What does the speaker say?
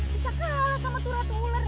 bisa kalah sama turat ular